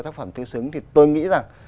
tác phẩm tư xứng thì tôi nghĩ rằng